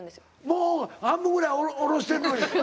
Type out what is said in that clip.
もう半分ぐらい下ろしてんのに？